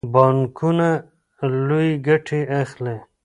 بانکونه لویې ګټې اخلي.